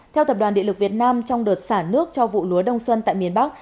theo tập đoàn điện lực việt nam trong đợt xả nước cho vụ lúa đông xuân tại miền bắc